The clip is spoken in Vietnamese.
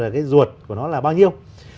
cái ruột của nó là bao nhiêu